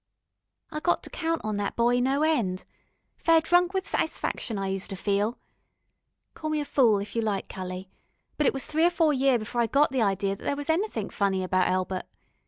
I got to count on that boy no end. Fair drunk with satisfaction, I use to feel. Call me a fool if you like, cully, but it was three or four year before I got the idee that there was anythink funny about Elbert.